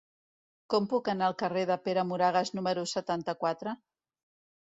Com puc anar al carrer de Pere Moragues número setanta-quatre?